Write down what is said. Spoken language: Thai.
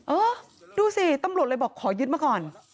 เออดูสิตำรวจเลยบอกขอยึดมาก่อน